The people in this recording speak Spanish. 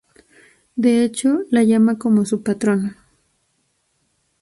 De hecho la llama como su "patrona".